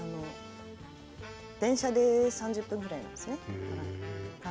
電車で３０分ぐらいなんですね。